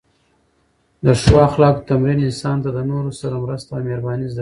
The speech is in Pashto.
د ښو اخلاقو تمرین انسان ته د نورو سره مرسته او مهرباني زده کوي.